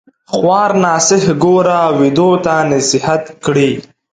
خوار ناصح ګوره ويدو تـــه نصيحت کړي